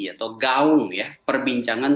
atau gaung ya perbincangan